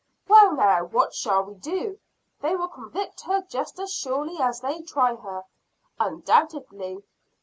"Well, now, what shall we do? They will convict her just as surely as they try her." "Undoubtedly!"